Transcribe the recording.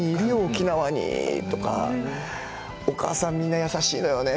沖縄に、とかお母さん、みんな優しいのよね